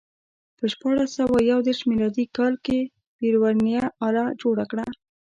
په شپاړس سوه یو دېرش میلادي کال کې پير ورنیه آله جوړه کړه.